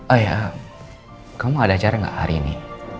oh ya kamu ada acara gak hari ini